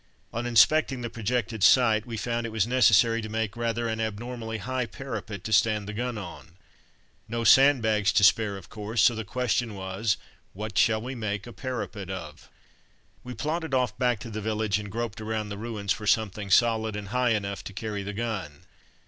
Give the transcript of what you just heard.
On inspecting the projected site we found it was necessary to make rather an abnormally high parapet to stand the gun on. No sandbags to spare, of course, so the question was, "What shall we make a parapet of?" We plodded off back to the village and groped around the ruins for something solid and high enough to carry the gun.